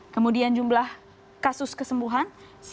kemudian jumlah kasus kesembuhan satu sembilan ratus sembilan